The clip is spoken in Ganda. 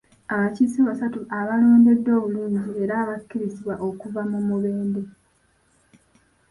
Abakiise basatu abalondeddwa obulungi era abakkirizibwa okuva mu Mubende.